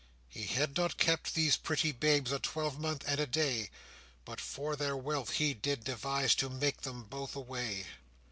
He had not kept these pretty babes A twelvemonth and a day, But, for their wealth, he did devise To make them both away.